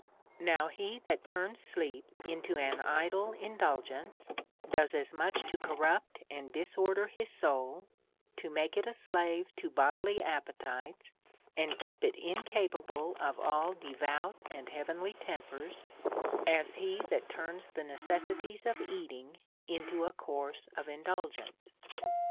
Now, he that turns sleep into an idle indulgence does as much to corrupt and disorder his soul, to make it a slave to bodily appetites, and keep it incapable of all devout and heavenly tempers, as he that turns the necessities of eating into a course of indulgence.